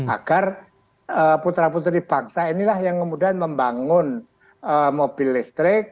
agar putra putri bangsa inilah yang kemudian membangun mobil listrik